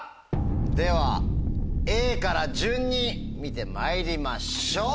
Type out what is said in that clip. ではＡから順に見てまいりましょう！